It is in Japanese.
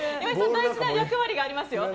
大事な役割がありますよ。